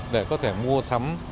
để có thể mua sắm